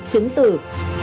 chứng chức chuyên ngành y tế